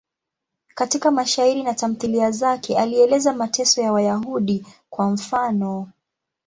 Katika mashairi na tamthiliya zake alieleza mateso ya Wayahudi, kwa mfano.